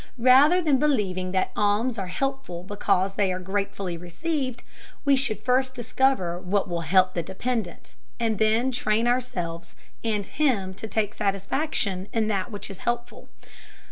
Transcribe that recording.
Rather than believing that alms are helpful because they are gratefully received, we should first discover what will help the dependent, and then train ourselves and him to take satisfaction in that which is helpful.